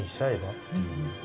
っていう